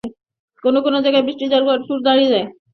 কোন কোন জায়গায় বৃষ্টির জল কয়েক ফুট দাঁড়িয়ে যায়।